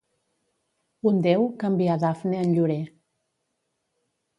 Un déu canvià Dafne en llorer.